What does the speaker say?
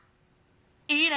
いいね！